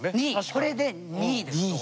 これで２位ですと。